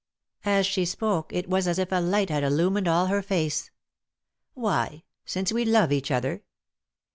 As she spoke it was as if a light had illumined all her face. " Why ?— Since we love each other